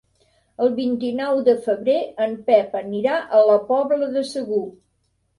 El vint-i-nou de febrer en Pep anirà a la Pobla de Segur.